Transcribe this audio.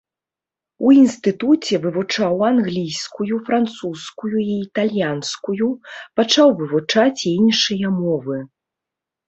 У інстытуце вывучаў англійскую, французскую і італьянскую, пачаў вывучаць і іншыя мовы.